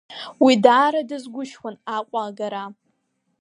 Уи даара дазгәышьуан Аҟәа агара.